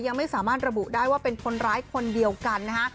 ยังไม่สามารถระบุได้ว่าเป็นคนร้ายคนเดียวกันนะฮะ